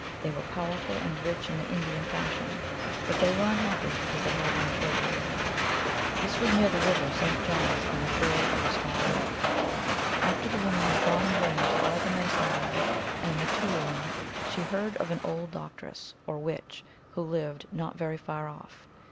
They were powerful and rich in the Indian fashion, but they were unhappy because they had no children. 276 THE ALGONQUIN LEGENDS. This was near the river St. John s^ on the shore of a small lake. After the woman had gone in vain to all the medi cine men and mteoulin, she heard of an old doctress, or witch, who lived not very far off.